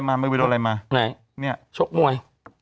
มันไปโดนอะไรมาไหนนี่ชกม้วย